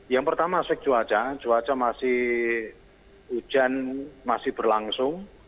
yang pertama aspek cuaca cuaca masih hujan masih berlangsung